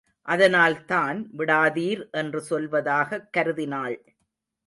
அதனால்தான் விடாதீர் என்று சொல்வதாகக் கருதினாள்.